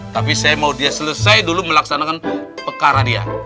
tapi saya mau dia selesai dulu melaksanakan pekara dia